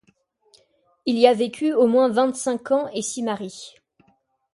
Il y a vécu au moins vingt-cinq ans et s'y marie.